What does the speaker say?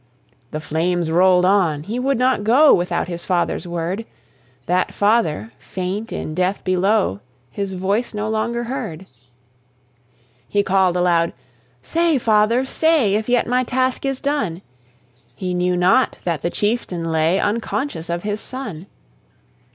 The flames rolled on he would not go Without his father's word; That father, faint in death below, His voice no longer heard. He called aloud, "Say, father, say If yet my task is done?" He knew not that the chieftain lay Unconscious of his son.